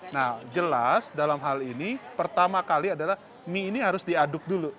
nah jelas dalam hal ini pertama kali adalah mie ini harus diaduk dulu